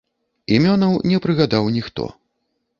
Імёнаў не прыгадаў ніхто.